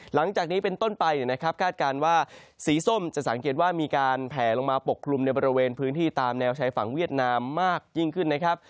หลังจากนี้เป็นต้นไปนะครับคาดการณ์ว่าสีส้มจะสังเกตว่ามีการแผลลงมาปกคลุมในบริเวณพื้นที่ตามแนวชายฝั่งเวียดนามมากยิ่งขึ้นนะครับ